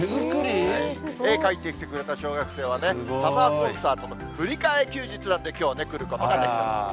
絵描いてきてくれた小学生はね、サマーコンサートの振り替え休日なんで、きょうね、来ることができたと。